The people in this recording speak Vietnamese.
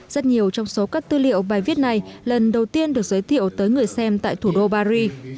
rất nhiều trong số các tư liệu bài viết này lần đầu tiên được giới thiệu tới người xem tại thủ đô paris